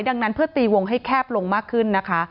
ดังนั้นเพื่อตีวงให้แคบลงมากขึ้นนะคะ